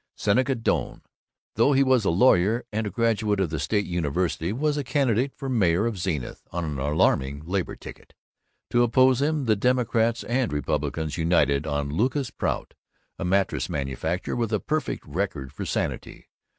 Seneca Doane, though he was a lawyer and a graduate of the State University, was candidate for mayor of Zenith on an alarming labor ticket. To oppose him the Democrats and Republicans united on Lucas Prout, a mattress manufacturer with a perfect record for sanity.